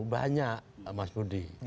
banyak mas budi